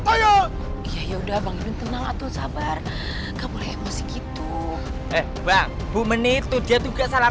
toyo ya udah bangun tenang atau sabar kamu masih gitu eh bang bu menitudah juga salah